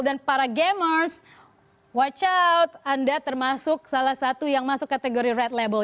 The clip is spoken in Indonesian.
dan para gamers watch out anda termasuk salah satu yang masuk kategori red label